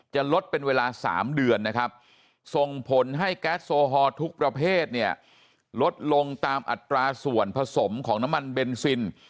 จะลดเป็นเวลา๓เดือนนะครับส่งผลให้แก๊สโซฮอลทุกประเภทเนี่ยลดลงตามอัตราส่วนผสมของน้ำมันเบนซิน